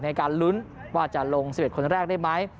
ในการลุ้นว่าจะลง๑๑คนแรกได้ไหม